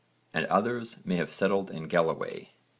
126 7), and others may have settled in Galloway.